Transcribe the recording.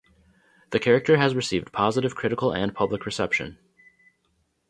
The character has received positive critical and public reception.